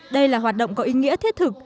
đây là hoạt động có ý nghĩa thiết thực